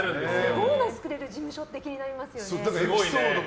ボーナスくれる事務所って気になりますよね。